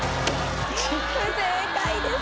不正解です